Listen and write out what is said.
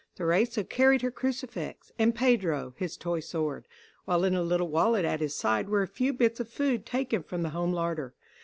Theresa carried her crucifix, and Pedro his toy sword, while in a little wallet at his side were a few bits of food taken from the home larder.